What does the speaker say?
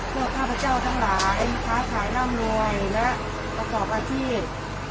ข้าพเจ้าทั้งหลายค้าขายร่ำรวยและประกอบอาชีพ